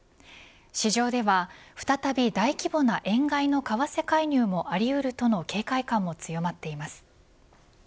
市場では、再び大規模な円買いの為替介入もあり得るとの警戒感も強まっています。